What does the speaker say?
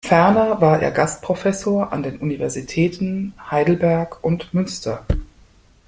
Ferner war er Gastprofessor an den Universitäten Heidelberg und Münster.